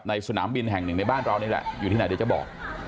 สนามบินแห่งหนึ่งในบ้านเรานี่แหละอยู่ที่ไหนเดี๋ยวจะบอก